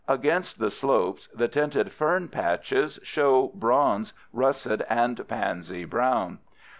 Against the slopes the tinted fern patches show bronze, russet, and pansy brown.